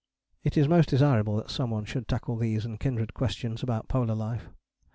It is most desirable that some one should tackle these and kindred questions about polar life.